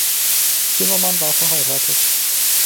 Zimmermann war verheiratet.